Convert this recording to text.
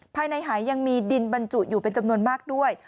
ภายในหายยังมีดินบรรจุอยู่เป็นจำนวนมากด้วย